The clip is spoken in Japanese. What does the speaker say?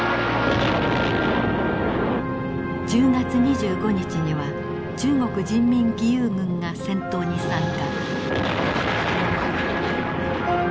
１０月２５日には中国人民義勇軍が戦闘に参加。